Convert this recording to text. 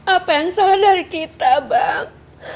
apa yang salah dari kita bang